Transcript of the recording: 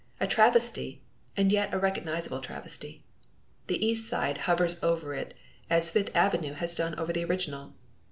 A travesty and yet a recognizable travesty. The East Side hovers over it as Fifth Avenue has done over the original.